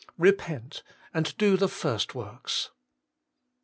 Repent, and do the first zvorks.'